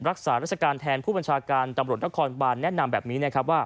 รักษารัศกาลแทนผู้บรรชาการจำรวจระครบาลแนะนำแบบนี้